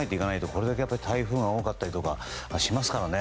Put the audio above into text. これだけ台風が多かったりしますからね。